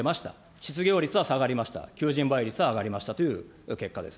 失業率は下がりました、求人倍率は上がりましたという結果です。